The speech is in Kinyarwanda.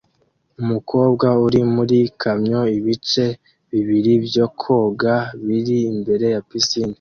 Umukobwa uri muriikamyoibice bibiri byo koga biri imbere ya pisine